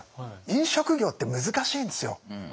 飲食業って難しいんですよ。